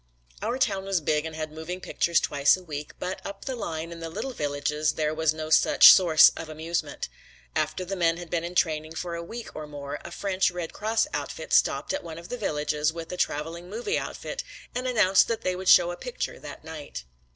'" Our town was big and had moving pictures twice a week, but up the line in the little villages there was no such source of amusement. After the men had been in training for a week or more, a French Red Cross outfit stopped at one of the villages with a traveling movie outfit and announced that they would show a picture that night.